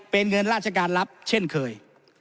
เป็นเงินราชการรับเช่นเคย